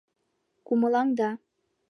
«Кумылаҥда!»